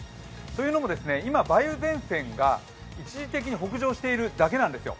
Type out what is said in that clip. というのも今、梅雨前線が一時的に北上しているだけなんです。